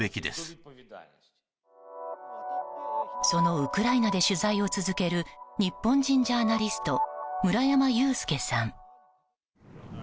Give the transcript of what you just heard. そのウクライナで取材を続ける日本人ジャーナリスト村山祐介さん。